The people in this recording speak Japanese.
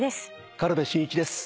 軽部真一です。